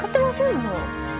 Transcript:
もう。